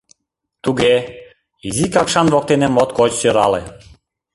— Туге, Изи Какшан воктене моткоч сӧрале.